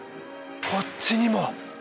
こっちにも！